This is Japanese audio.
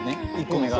１個目が。